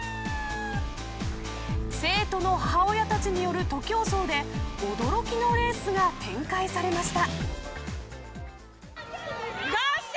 生徒の母親たちによる徒競争で驚きのレースが展開されました。